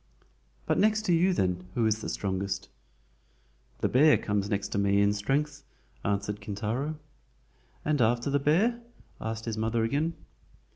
"But next to you then, who is the strongest?" "The bear comes next to me in strength," answered Kintaro. "And after the bear?" asked his mother again.